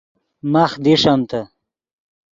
ماخ دیݰمتے